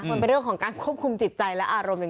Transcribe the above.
มันเป็นเรื่องของการควบคุมจิตใจและอารมณ์อย่าง